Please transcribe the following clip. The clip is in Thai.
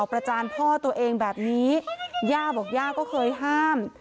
ประจานพ่อตัวเองแบบนี้ย่าบอกย่าก็เคยห้าม